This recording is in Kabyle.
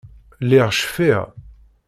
Lliɣ cfiɣ.